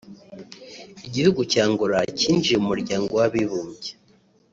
Igihugu cya Angola cyinjiye mu muryango w’abibumbye